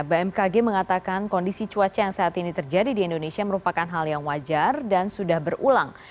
bmkg mengatakan kondisi cuaca yang saat ini terjadi di indonesia merupakan hal yang wajar dan sudah berulang